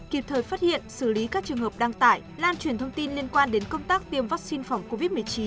kịp thời phát hiện xử lý các trường hợp đăng tải lan truyền thông tin liên quan đến công tác tiêm vaccine phòng covid một mươi chín